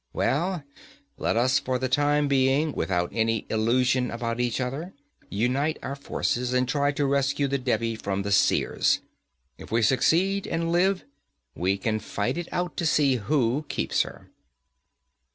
Well, let us for the time being, without any illusion about each other, unite our forces, and try to rescue the Devi from the Seers. If we succeed, and live, we can fight it out to see who keeps her.'